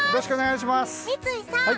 よろしくお願いします！